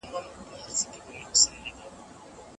لوی اختر بې قربانۍ نه لمانځل کېږي.